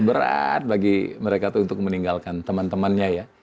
berat bagi mereka untuk meninggalkan teman temannya ya